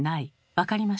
分かりました。